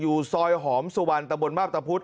อยู่ซอยหอมสุวรรณตะบนมาพตะพุธ